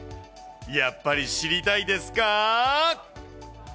やっぱり知りたいですか？